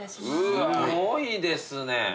すごいですね。